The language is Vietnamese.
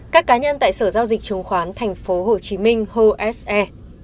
các cá nhân tại sở giao dịch chứng khoán tp hcm hồ s e